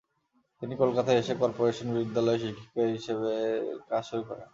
তিনি কলকাতায় এসে কর্পোরেশন বিদ্যালয়ে শিক্ষিকার হিসেবে কাজ শুরু করেন।